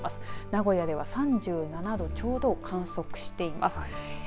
名古屋では３７度ちょうどを観測しています。